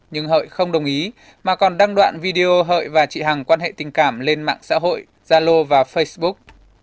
nhưng hợi không đồng ý mà còn đăng đoạn video hợi và chị hằng quan hệ tình cảm lên mạng xã hội zalo và facebook